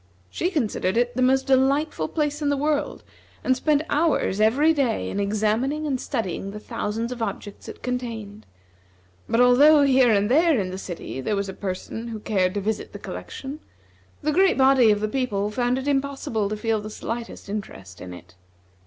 She considered it the most delightful place in the world, and spent hours every day in examining and studying the thousands of objects it contained; but although here and there in the city there was a person who cared to visit the collection, the great body of the people found it impossible to feel the slightest interest in it.